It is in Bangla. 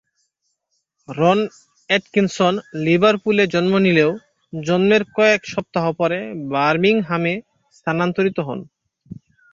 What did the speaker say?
রন অ্যাটকিনসন লিভারপুলে জন্ম নিলেও জন্মের কয়েক সপ্তাহ পরে বার্মিংহামে স্থানান্তরিত হন।